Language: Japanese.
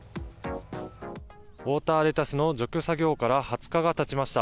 ウオーターレタスの除去作業から２０日がたちました。